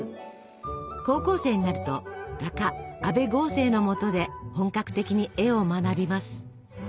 高校生になると画家阿部合成のもとで本格的に絵を学びます。